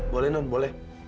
boleh non boleh